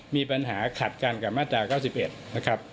มีปัญหาขัดกันกับมาตรา๙๑นะครับ